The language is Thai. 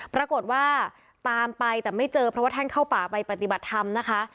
ปรากฏว่าตามไปแต่ไม่เจอเพราะว่าท่านเข้าป่าไปปฏิบัติธรรมนะคะ